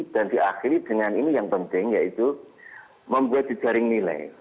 dan di akhir dengan ini yang penting yaitu membuat di jaring nilai